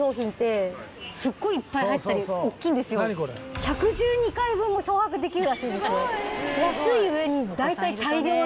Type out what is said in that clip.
１１２回分も漂白できるらしいですよ。